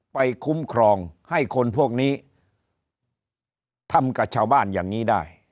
คุ้มครองให้คนพวกนี้ทำกับชาวบ้านอย่างนี้ได้